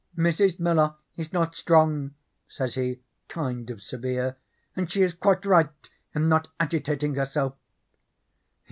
'Mrs. Miller is not strong,' says he, kind of severe, 'and she is quite right in not agitating herself.'